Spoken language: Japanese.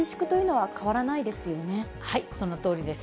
はい、そのとおりです。